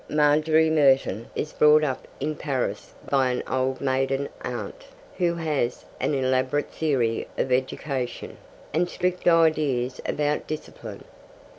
Margery Merton is brought up in Paris by an old maiden aunt, who has an elaborate theory of education, and strict ideas about discipline.